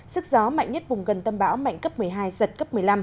sức gió mạnh nhất vùng gần tâm bão mạnh cấp một mươi hai giật cấp một mươi năm